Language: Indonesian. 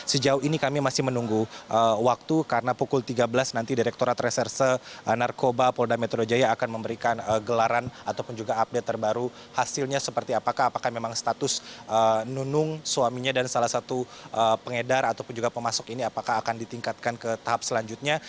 sejauh ini kami masih menunggu waktu karena pukul tiga belas nanti direkturat reserse narkoba polda metro jaya akan memberikan gelaran ataupun juga update terbaru hasilnya seperti apakah apakah memang status nunung suaminya dan salah satu pengedar ataupun juga pemasok ini apakah akan ditingkatkan ke tahap selanjutnya